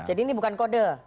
jadi ini bukan kode